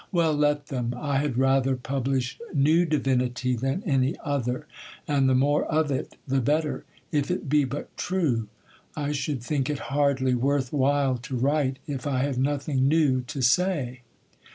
'Well, let them. I had rather publish new divinity than any other, and the more of it the better,—if it be but true. I should think it hardly worth while to write, if I had nothing new to say.